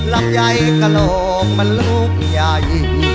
ลำไยกระโหลกมันลูกใหญ่